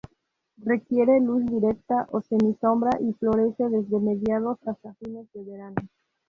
Requiere luz directa o semisombra y florece desde mediados hasta fines de verano.